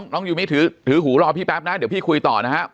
น้องยูมิถือหูรอพี่แป๊บนะเดี๋ยวพี่คุยต่อนะครับ